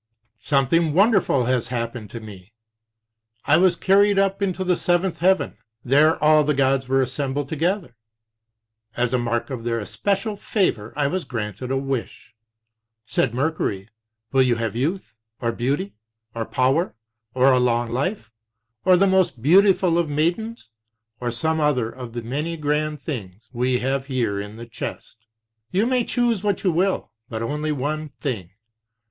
"Something wonderful has happened to me. I was carried up into the seventh heaven. There all the gods were assembled together. As a mark of their especial favor I was granted a wish. Said Mercury: Will you have youth, or beauty, or power, or a long life, or the most beautiful of maidens, or some other of the many grand things we have here in the chest? You may choose what you will, but only one thing.